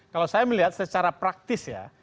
kalau saya melihat secara praktis ya